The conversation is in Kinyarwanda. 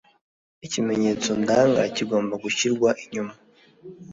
Ikimenyetso ndanga kigomba gushyirwa inyuma